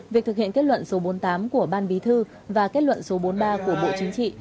việc thực hiện kết luận số bốn mươi tám của ban bí thư và kết luận số bốn mươi ba của bộ chính trị